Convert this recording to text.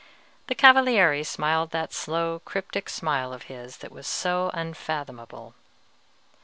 The Cavaliere smiled that slow, cryptic smile of his that was so unfathomable.